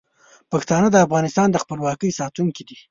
پښتانه د افغانستان د خپلواکۍ ساتونکي دي.